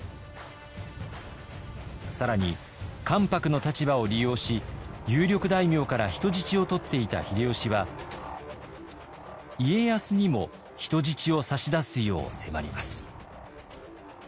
更に関白の立場を利用し有力大名から人質を取っていた秀吉は家康にも人質を差し出すよう迫ります。